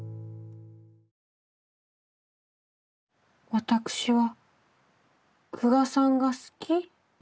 私は久我さんが好き。